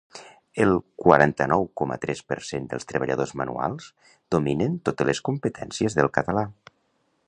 El quaranta-nou coma tres per cent dels treballadors manuals dominen totes les competències del català.